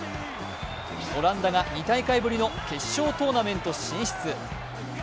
オランダが２大会ぶりの決勝トーナメント進出。